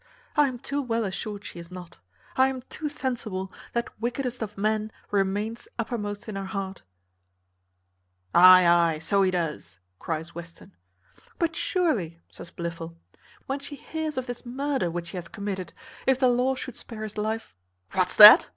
I am too well assured she is not; I am too sensible that wickedest of men remains uppermost in her heart." "Ay, ay, so he does," cries Western. "But surely," says Blifil, "when she hears of this murder which he hath committed, if the law should spare his life " "What's that?"